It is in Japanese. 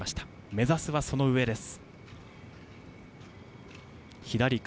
目指すはその上です。